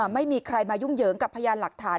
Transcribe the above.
ไม่มีใครมายุ่งเหยิงกับพยานหลักฐาน